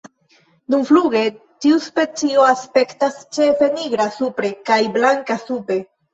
Dumfluge tiu specio aspektas ĉefe nigra supre kaj blanka sube.